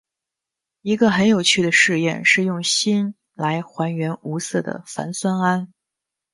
一个很有趣的试验是用锌来还原无色的钒酸铵。